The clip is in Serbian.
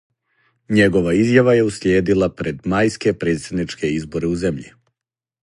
Његова изјава је услиједила пред мајске предсједничке изборе у земљи.